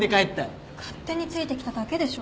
勝手についてきただけでしょ。